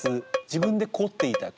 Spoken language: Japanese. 自分で「コ」って言いたい。